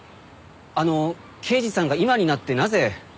あの刑事さんが今になってなぜ？